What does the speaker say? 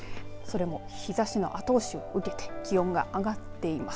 日ざしの後押しを受けて気温が上がっています。